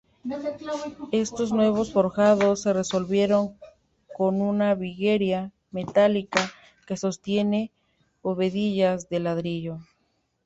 Estos nuevos forjados se resolvieron con una viguería metálica que sostiene bovedillas de ladrillo.